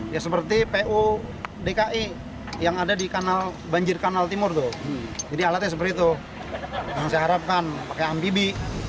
ya seperti pu dki yang ada di kanal banjir kanal timur tuh jadi alatnya seperti itu yang saya harapkan pakai ambibi